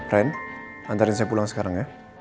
rein antarin saya pulang sekarang ya